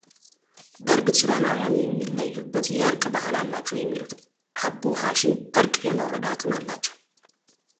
በእርግጥ ሱዳናዊያን የሚለዩበት የእርቅ ባህል አላቸው የሚሉት አቦ ሐሽም እርቅ የማውረድ አቅም አላቸው።